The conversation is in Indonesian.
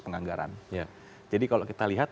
penganggaran jadi kalau kita lihat